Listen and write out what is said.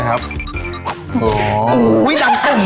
อย่ากล้วง